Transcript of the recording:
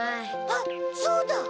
あっそうだ！